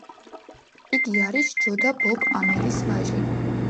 იგი არის ჯო და ბობ ამელის ვაჟი.